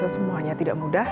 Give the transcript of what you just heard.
semuanya tidak mudah